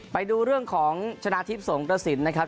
ไปดูเรื่องของชนะทิพย์สงกระสินนะครับ